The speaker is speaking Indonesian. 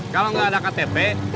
kalau gak ada ktp